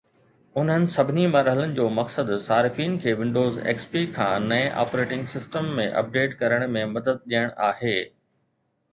انهن سڀني مرحلن جو مقصد صارفين کي ونڊوز XP کان نئين آپريٽنگ سسٽم ۾ اپڊيٽ ڪرڻ ۾ مدد ڏيڻ آهي